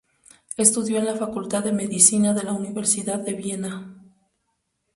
Estudió en la facultad de medicina de la Universidad de Viena.